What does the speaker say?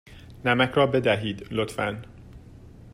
نمک را بدهید، لطفا.